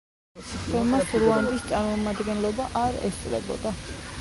სხდომას რუანდის წარმომადგენლობა არ ესწრებოდა.